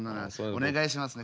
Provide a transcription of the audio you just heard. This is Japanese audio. お願いしますね